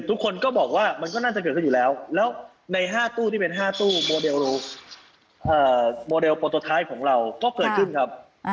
ทุกคนก็บอกว่ามันก็น่าจะเกิดขึ้นอยู่แล้วแล้วใน๕ตู้ที่เป็น๕ตู้โมเดลโปรโตท้ายของเราก็เกิดขึ้นครับ